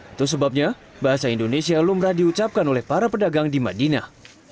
itu sebabnya bahasa indonesia lumrah diucapkan oleh para pedagang di madinah